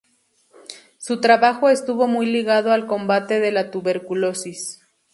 Su trabajo estuvo muy ligado al combate de la tuberculosis.